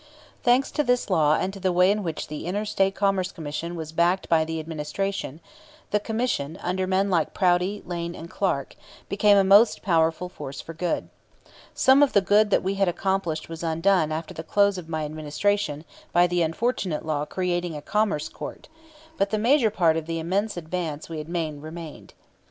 Thanks to this law and to the way in which the Inter State Commerce Commission was backed by the Administration, the Commission, under men like Prouty, Lane, and Clark, became a most powerful force for good. Some of the good that we had accomplished was undone after the close of my Administration by the unfortunate law creating a Commerce Court; but the major part of the immense advance we had made remained.